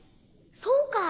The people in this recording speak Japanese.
そうか！